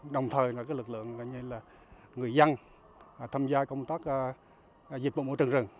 đồng thời là lực lượng người dân tham gia công tác dịch vụ mổ trần rừng